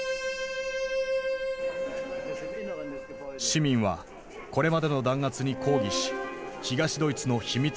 市民はこれまでの弾圧に抗議し東ドイツの秘密